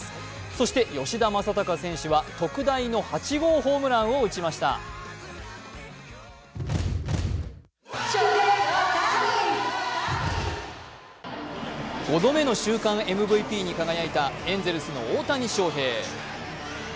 そして吉田正尚選手は特大の８号ホームランを打ちました５度目の週間ＭＶＰに輝いたエンゼルスの大谷翔平。